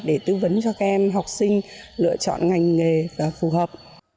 để tư vấn cho các em học sinh lựa chọn ngành nghề phù hợp